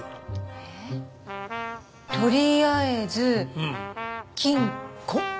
えっとりあえず金庫？